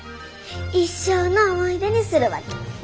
一生の思い出にするわけ。